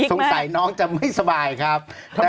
สงสัยน้องจะไม่สบายครับ